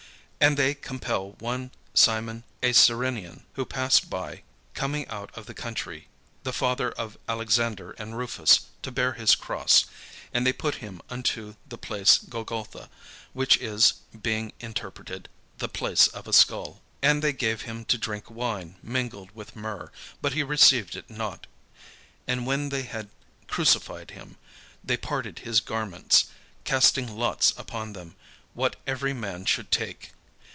And they compel one Simon a Cyrenian, who passed by, coming out of the country, the father of Alexander and Rufus, to bear his cross. And they bring him unto the place Golgotha, which is, being interpreted, "The place of a skull." And they gave him to drink wine mingled with myrrh: but he received it not. And when they had crucified him, they parted his garments, casting lots upon them, what every man should take.